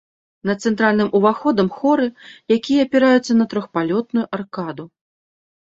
Над цэнтральным уваходам хоры, якія апіраюцца на трохпралётную аркаду.